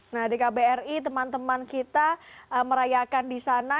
nah di kbri teman teman kita merayakan di sana